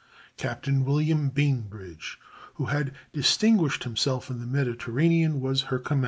Captain William Bainbridge, who had distinguished himself in the Mediterranean, was her commander.